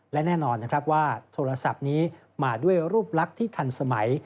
และแน่นอนนะครับว่าโทรศัพท์นี้มาด้วยรูปลักษณ์ที่ทันสมัย